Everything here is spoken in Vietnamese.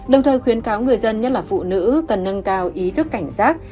đồng thời khuyến cáo người dân nhất là phụ nữ cần nâng cao ý thức cảnh giác